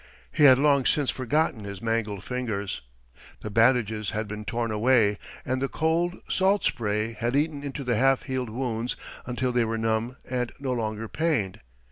He had long since forgotten his mangled fingers. The bandages had been torn away, and the cold, salt spray had eaten into the half healed wounds until they were numb and no longer pained.